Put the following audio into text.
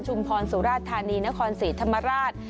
พรสุราธานีนครศรีธรรมราช